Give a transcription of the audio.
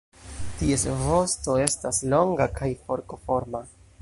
Ties vosto estas longa kaj forkoforma.